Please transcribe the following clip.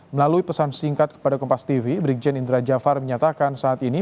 melalui pesan singkat kepada kompas tv brigjen indra jafar menyatakan saat ini